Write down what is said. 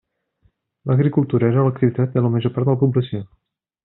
L'agricultura era l'activitat de la major part de la població.